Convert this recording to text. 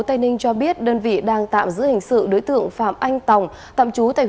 áp dụng nhiều biện pháp khác nhau